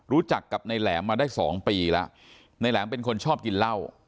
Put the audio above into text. รู้จักกับนายแหลมมาได้สองปีแล้วนายแหลมเป็นคนชอบกินเหล้า